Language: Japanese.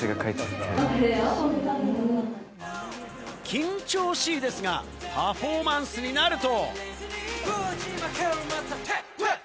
緊張しいですが、パフォーマンスになると。